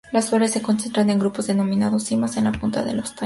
Las flores se concentran en grupos denominados cimas, en la punta de los tallos.